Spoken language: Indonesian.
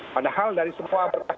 padahal dari semua berkas